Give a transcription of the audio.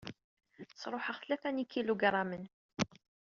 Sruḥeɣ tlata n yikilugramen.